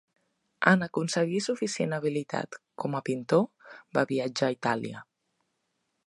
En aconseguir suficient habilitat com a pintor, va viatjar a Itàlia.